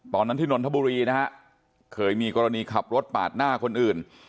ตอนนั้นที่นนทบุรีนะฮะเคยมีกรณีขับรถปาดหน้าคนอื่น